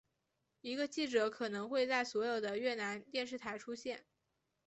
一个记者可能会在所有的越南电视台出现。